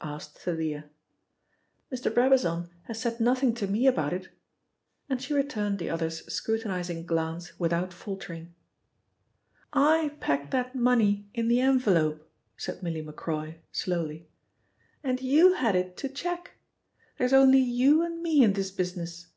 asked Thalia. "Mr. Brabazon has said nothing to me about it," and she returned the other's scrutinising glance without faltering. "I packed that money in the envelope," said Milly Macroy slowly, "and you had it to check. There's only you and me in this business.